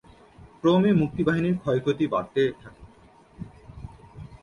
ক্রমে মুক্তিবাহিনীর ক্ষয়ক্ষতি বাড়তে থাকে।